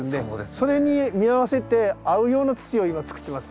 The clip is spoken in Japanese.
それに見合わせて合うような土を今つくってます。